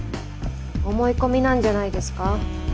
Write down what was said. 思い込みなんじゃないですか。